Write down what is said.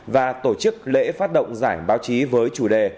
và tổ chức lễ phát động giải báo chí với chủ đề